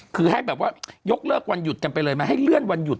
คือให้แบบว่ายกเลิกวันหยุดกันไปเลยมาให้เลื่อนวันหยุด